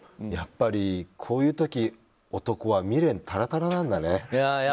やっぱりこういう時男は未練たらたらなんだね。